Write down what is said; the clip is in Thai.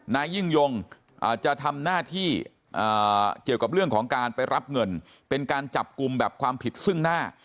นายยิ่งยงจะทำหน้าที่เกี่ยวกับเรื่องของการไปรับเงินเป็นการจับกลุ่มแบบความผิดซึ่งหน้า